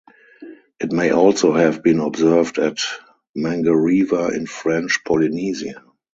It may also have been observed at Mangareva in French Polynesia.